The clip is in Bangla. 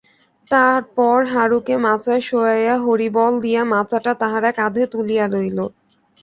তার পর হারুকে মাচায় শোয়াইয়া হরিবোল দিয়া মাচাটা তাহারা কাঁধে তুলিয়া লইল।